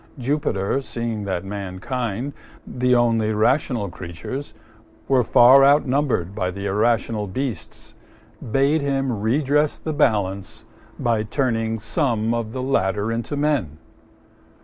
Jupiter, seeing that Mankind, the only rational creatures, were far outnumbered by the irrational beasts, bade him redress the balance by turning some of the latter into men.